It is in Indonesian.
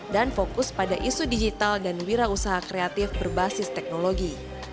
dan fokus pada isu digital dan wirausaha kreatif berbasis teknologi